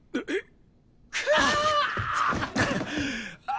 えっ？